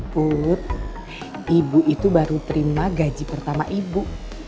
put ibu itu baru terima gaji pertama ibu